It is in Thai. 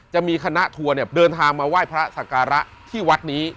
จะมีคณะทัวร์เนี่ยเดินทางมาไหว้พระสการะที่วัดนี้